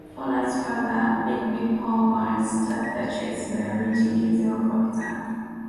Paula's father, Bigby Powers starts the chase by arranging his helicopter.